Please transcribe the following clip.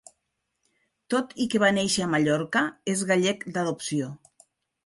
Tot i que va néixer a Mallorca, és gallec d’adopció.